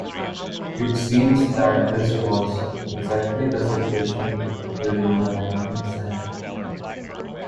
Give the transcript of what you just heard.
It seems that this was exactly the situation during the nineteenth century.